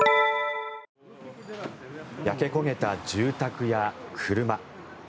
焼け焦げた住宅や車。